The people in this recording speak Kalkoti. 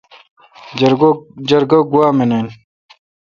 جرگہ گوا منین۔